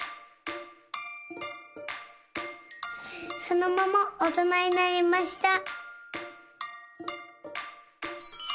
そのままおとなになりました。